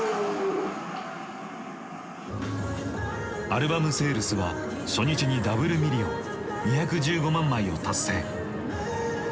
アルバムセールスは初日にダブルミリオン２１５万枚を達成。